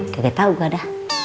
gak tau gua ada